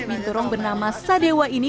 binturong bernama sadewa ini